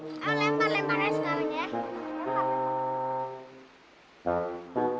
ayo lempar lempar aja sekarang ya